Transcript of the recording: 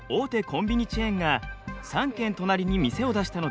コンビニチェーンが３軒隣に店を出したのです。